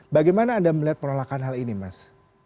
bagaimana anda melihat penolakan hal ini mas